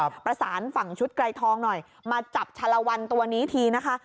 ประสานฝั่งชุดไกรทองหน่อยมาจับชะละวันตัวนี้ทีนะคะ